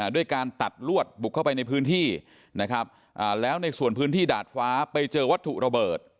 ด้วยการตัดลวดบุกเข้าไปในพื้นที่นะครับแล้วในส่วนพื้นที่ดาดฟ้าไปเจอวัตถุระเบิด